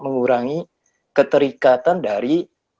mengurangi keterikatan dari